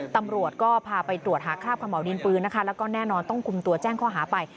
ตำรวจก็พาไปตรวจหาคราบขม่าวดินปืนนะคะแล้วก็แน่นอนต้องคุมตัวแจ้งข้อหาไป